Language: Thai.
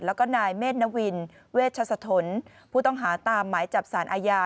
แล้วก็นายเมธนวินเวชสะทนผู้ต้องหาตามหมายจับสารอาญา